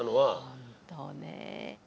本当ね。